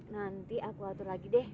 nanti aku atur lagi deh